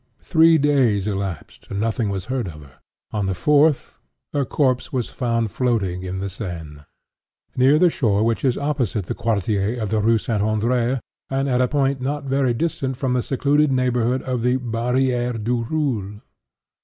Three days elapsed, and nothing was heard of her. On the fourth her corpse was found floating in the Seine, * near the shore which is opposite the Quartier of the Rue Saint Andrée, and at a point not very far distant from the secluded neighborhood of the Barrière du Roule.